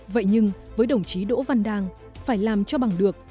vậy nhưng với đồng chí đỗ văn đang phải làm cho bằng được